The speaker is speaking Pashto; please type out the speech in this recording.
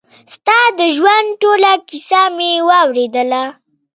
ستا د ژوند ټوله کيسه مې واورېدله.